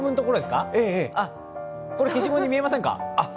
これ、消しゴムに見えませんか？